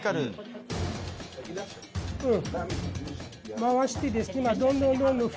回してですね。